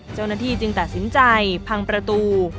เจ้าหน้าที่จึงตัดสินใจพังประตู